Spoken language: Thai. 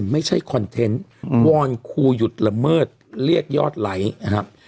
ไม่ใช่คอนเทนต์อืมวอร์คูยุตละเมิดเรียกยอดไหลนะฮะ